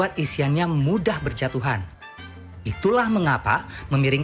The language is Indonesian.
jadi kita akan menggunakan kualitas yang lebih sederhana